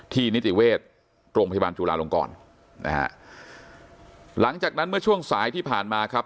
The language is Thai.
นิติเวชโรงพยาบาลจุลาลงกรนะฮะหลังจากนั้นเมื่อช่วงสายที่ผ่านมาครับ